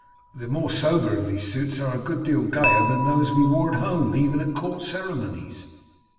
"The more sober of these suits are a good deal gayer than those we wore at home even at court ceremonies."